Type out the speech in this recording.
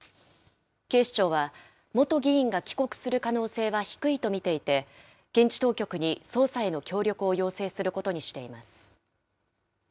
警視庁は、元議員が帰国する可能性は低いと見ていて、現地当局に捜査への協力を要請することにしています。